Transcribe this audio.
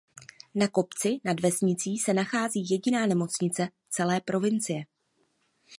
Na kopci nad vesnicí se nachází jediná nemocnice celé provincie.